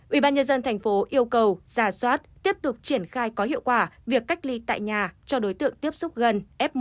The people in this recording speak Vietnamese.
ubnd tp yêu cầu giả soát tiếp tục triển khai có hiệu quả việc cách ly tại nhà cho đối tượng tiếp xúc gần f một